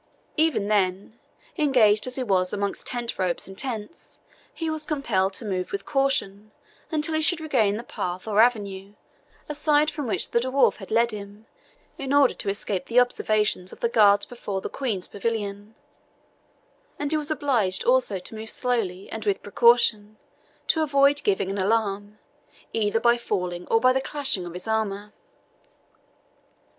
Even then, engaged as he was amongst tent ropes and tents, he was compelled to move with caution until he should regain the path or avenue, aside from which the dwarf had led him, in order to escape the observation of the guards before the Queen's pavilion; and he was obliged also to move slowly, and with precaution, to avoid giving an alarm, either by falling or by the clashing of his armour.